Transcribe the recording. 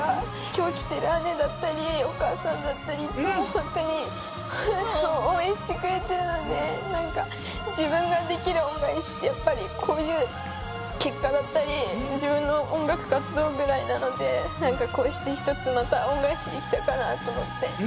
今日来てる姉だったりお母さんだったりいつも本当に応援してくれてるのでなんか自分ができる恩返しってやっぱりこういう結果だったり自分の音楽活動ぐらいなのでなんかこうして１つまた恩返しできたかなと思って。